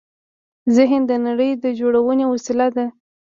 ذهن د نړۍ د جوړونې وسیله ده.